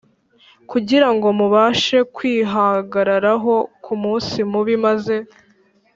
kugira ngo mubashe kwihagararaho ku munsi mubi maze